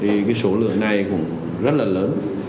thì cái số lượng này cũng rất là lớn